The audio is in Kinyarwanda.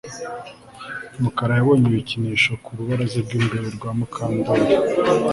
Mukara yabonye ibikinisho ku rubaraza rwimbere rwa Mukandoli